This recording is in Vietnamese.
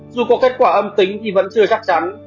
dù có kết quả âm tính thì vẫn chưa chắc chắn